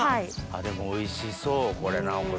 でもおいしそうこれ尚子さん。